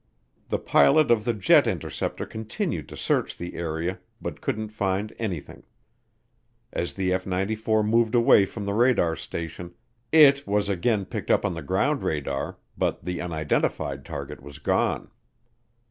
The pilot of the jet interceptor continued to search the area but couldn't find anything. As the F 94 moved away from the radar station, it was again picked up on the ground radar, but the unidentified target was gone.